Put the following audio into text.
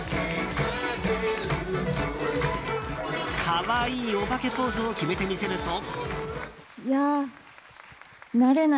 可愛いおばけポーズを決めてみせると。